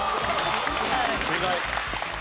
正解。